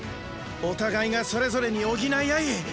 お互いがそれぞれに補いあい。